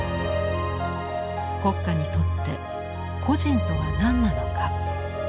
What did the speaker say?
国家にとって個人とは何なのか。